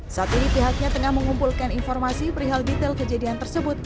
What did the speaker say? saat ini pihaknya tengah mengumpulkan informasi perihal detail kejadian tersebut